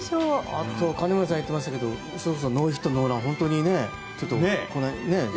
あと金村さん言ってましたけどそろそろノーヒットノーラン本当にね。